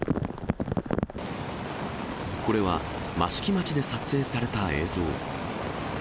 これは、益城町で撮影された映像。